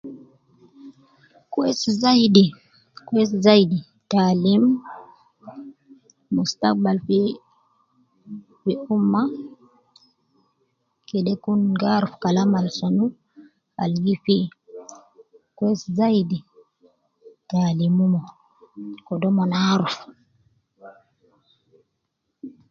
Kweis zaidi kwesi zaidi ta alim mustakbal fi fi ummah kede kun gaaruf kalam alsunu algi fi kwesi zaidi taalim umon kede umon aaruf .